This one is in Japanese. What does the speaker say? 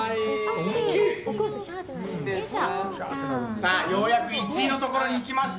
さあ、ようやく１位のところに行きました。